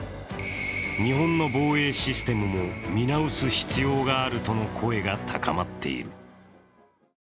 日本の防衛システムも見直す必要があるとの声が高まっている。